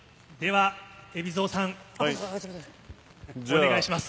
海老蔵さん、お願いします。